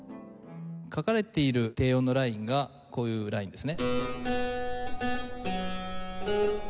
書かれている低音のラインがこういうラインですね。